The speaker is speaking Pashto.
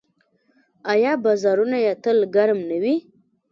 آیا بازارونه یې تل ګرم نه وي؟